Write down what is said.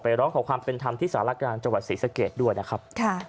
ร้องขอความเป็นธรรมที่สารกลางจังหวัดศรีสะเกดด้วยนะครับ